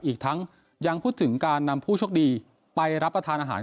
อีกทั้งยังพูดถึงการนำผู้โชคดีไปรับประทานอาหาร